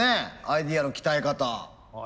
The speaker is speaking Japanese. アイデアの鍛え方。